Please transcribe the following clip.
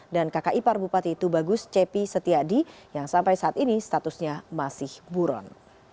dan kkipar bupati tubagus cepi setiadi yang sampai saat ini statusnya masih buron